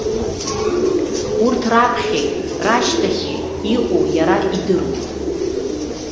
Урҭ раԥхьеи рашьҭахьи иҟоу иара идыруеит.